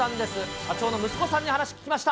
社長の息子さんに話を聞きました。